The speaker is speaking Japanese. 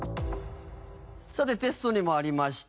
さてテストにもありました